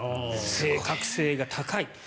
正確性が高い。